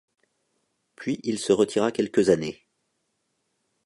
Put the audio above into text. Puis il se retira quelques années.